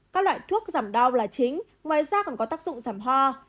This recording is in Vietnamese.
các loại thuốc giảm đau là chính ngoài ra còn có tác dụng giảm ho